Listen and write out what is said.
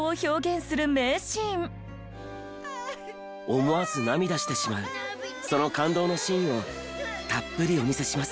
思わず涙してしまうその感動のシーンをたっぷりお見せします。